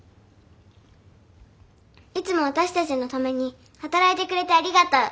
いつも私たちのために働いてくれてありがとう。